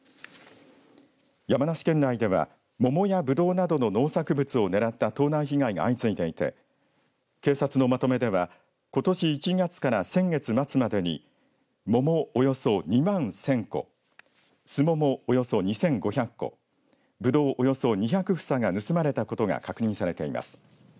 山梨県内では、桃やぶどうなどの農作物を狙った盗難被害が相次いでいて警察のまとめではことし１月から先月末までに桃およそ２万１０００個スモモおよそ２５００個ぶどう、およそ２００房が盗まれたことが確認されています。